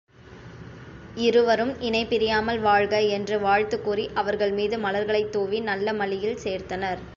இருவரும் இணை பிரியாமல் வாழ்க என்று வாழ்த்துக் கூறி அவர்கள் மீது மலர்களைத் தூவி நல்லமளியில் சேர்த்தனர்.